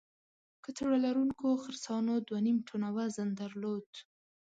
کڅوړه لرونکو خرسانو دوه نیم ټنه وزن درلود.